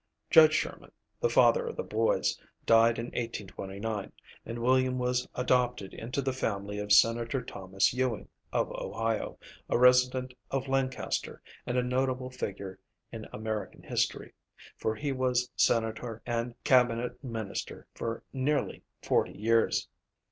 Judge Sherman, the father of the boys, died in 1829, and William was adopted into the family of Senator Thomas Ewing, of Ohio, a resident of Lancaster, and a notable figure in American history, for he was senator and cabinet minister for nearly forty years.